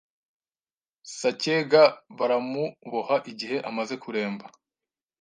Sacyega baramuboha Igihe amaze kuremba